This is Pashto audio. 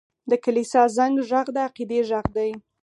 د کلیسا زنګ ږغ د عقیدې غږ دی.